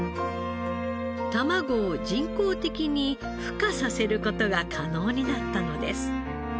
卵を人工的にふ化させる事が可能になったのです。